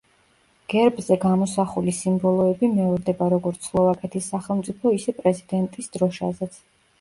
გერბზე გამოსახული სიმბოლოები მეორდება როგორც სლოვაკეთის სახელმწიფო, ისე პრეზიდენტის დროშაზეც.